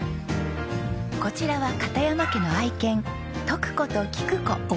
こちらは片山家の愛犬トク子ときく子。